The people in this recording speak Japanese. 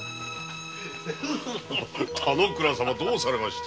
田之倉様どうなされました？